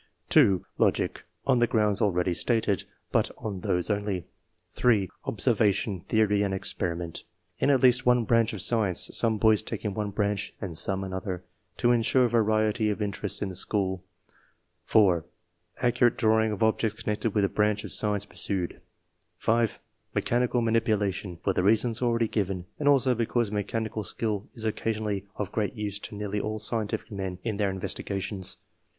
2. Logic (on the grounds already stated, but on those only). 3. Observation, theory, and experiment, in at least one branch of science ; some boys taking one branch and some another, to ensure variety of interests in the school. 4. Accurate drawing of objects connected with the branch of science pursued. 5. Mechanical manipulation, for the reasons already given, and also because mechani cal skill is occasionally of great use to nearly all scientific men in their investigations.